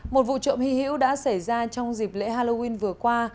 một vụ trộm hy hữu đã xảy ra trong dịp lễ halloween vừa qua